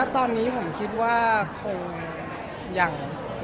ตอนนี้ผมคิดว่าคงยัง